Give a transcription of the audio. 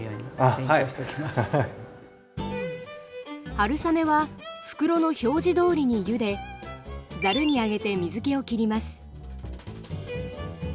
春雨は袋の表示どおりにゆでざるに上げて水けをきります。